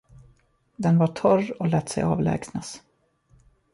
Den var torr och lät sig avlägsnas.